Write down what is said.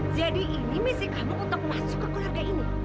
jadi ini misi kamu untuk masuk ke keluarga ini